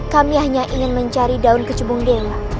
kami hanya ingin mencari daun kecubung dewa